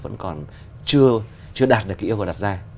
vẫn còn chưa đạt được cái yêu cầu đặt ra